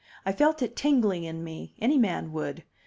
I felt it tingling in me; any man would.